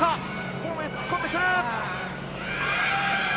ホームに突っ込んでくる！